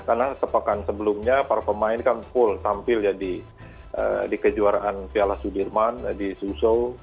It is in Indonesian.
karena sepekan sebelumnya para pemain kan full tampil ya di kejuaraan piala sudirman di suzhou